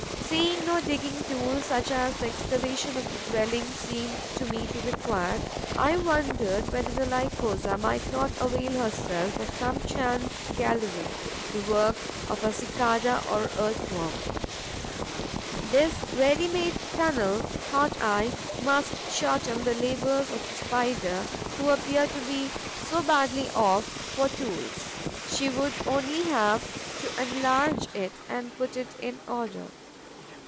Seeing no digging tools, such as the excavation of the dwelling seemed to me to require, I wondered whether the Lycosa might not avail herself of some chance gallery, the work of the Cicada or the Earth worm. This ready made tunnel, thought I, must shorten the labours of the Spider, who appears to be so badly off for tools; she would only have to enlarge it and put it in order.